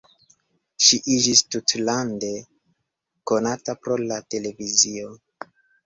Ŝi iĝis tutlande konata pro la televizio.